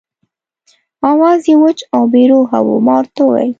آواز یې وچ او بې روحه و، ما ورته وویل.